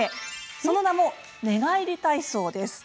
その名も寝返り体操です。